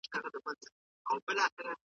ټولنپوهنه د ټولنیز عمل تفسیر دی.